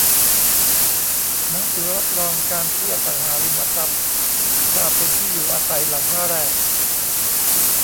หนังสือรับรองการซื้ออสังหาริมทรัพย์ว่าเป็นที่อยู่อาศัยหลังแรก